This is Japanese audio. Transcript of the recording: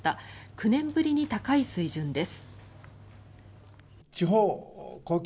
９年ぶりに高い水準です。